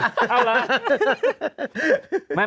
เท่าละ